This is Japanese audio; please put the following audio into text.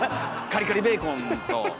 カリカリベーコンと。